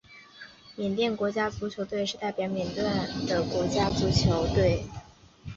缅甸国家足球队是代表缅甸的国家足球队。